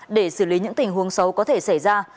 để xử lý những tình huống xấu có thể xảy ra